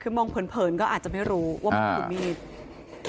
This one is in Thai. คือมองเผินเผินก็อาจจะไม่รู้ว่ามันเป็นมีดอ่า